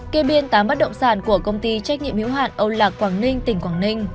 kê biên tám bất động sản của công ty trách nhiệm hữu hạn âu lạc quảng ninh tỉnh quảng ninh